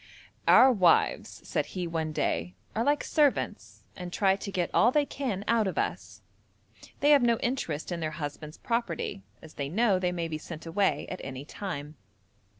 'Our wives,' said he one day, 'are like servants, and try to get all they can out of us; they have no interest in their husband's property, as they know they may be sent away at any time.'